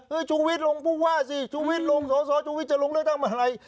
เฮ้ยชุวิตลงพูดว่าสิชุวิตลงสอชุวิตจะลงเลือกตั้งมาอะไร